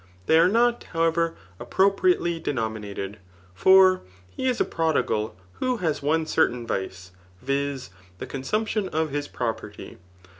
They are not^ however, appropriately denominated. For be is a prodigal , who has one certain vice, viz. the consumpiion of his pro perty.